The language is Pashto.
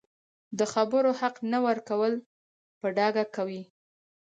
د خبرو حق نه ورکول په ډاګه کوي